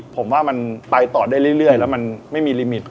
ผมว่ามันไปต่อได้เรื่อยแล้วมันไม่มีลิมิต